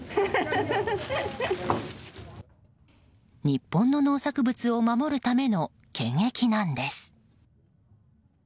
日本の農作物を守るための検疫なんです。